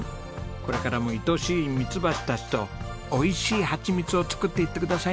これからもいとしいミツバチたちとおいしいハチミツを作っていってくださいね。